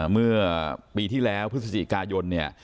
เมื่อปีที่แล้วพฤศจิกายนเนี่ย